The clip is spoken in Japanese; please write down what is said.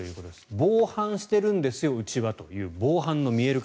防犯しているんですよ、うちはという防犯の見える化